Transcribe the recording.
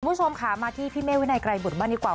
คุณผู้ชมค่ะมาที่พี่เมฆวินัยไกรบุตรบ้างดีกว่า